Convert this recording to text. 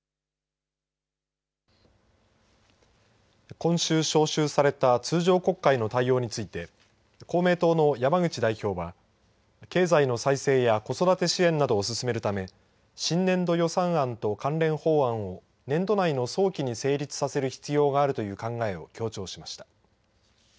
今週召集された通常国会の対応について公明党の山口代表は経済の再生や子育て支援などを進めるため新年度予算案と関連法案を年度内の早期に成立させる必要があるという考えを強調しました。